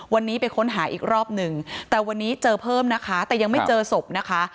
วันนี้ไปค้นหาอีกรอบหนึ่งแต่วันนี้เจอเพิ่มนะคะแต่ยังไม่เจอศพนะคะ